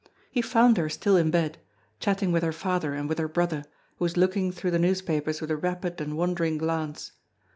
He found her still in bed, chatting with her father and with her brother, who was looking through the newspapers with a rapid and wandering glance.